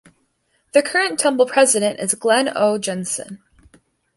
The current temple president is Glen O. Jenson.